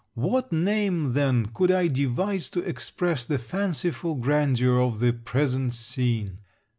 What name then could I devise to express the fanciful grandeur of the present scene?